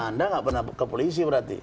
anda nggak pernah ke polisi berarti